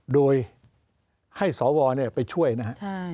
โดยให้สวนเนี่ยไปช่วยนะครับ